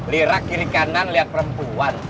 lirak kiri kanan liat perempuan